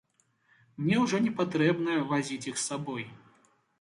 Мне ўжо не патрэбна вазіць іх з сабой.